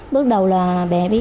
bước đầu là bé bị